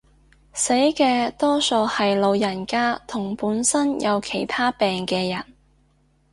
死嘅多數係老人家同本身有其他病嘅人